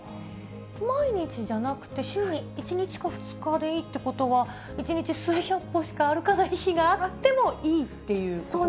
毎日じゃなくて、週に１日か２日でいいってことは、１日数百歩しか歩かない日があってもいいっていうことですか。